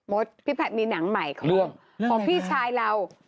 มดพี่พัดมีหนังใหม่ของพี่ชายเรา